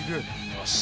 よし！